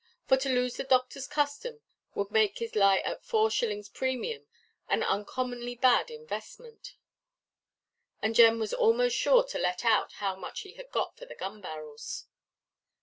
For to lose the doctorʼs custom would make his lie at four shillings premium an uncommonly bad investment, and Jem was almost sure to "let out" how much he had got for the gun–barrels.